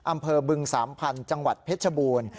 อำเภอบึงสามพันธุ์จังหวัดเพชรบูรณ์